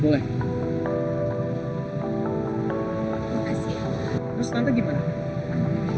terus tante gimana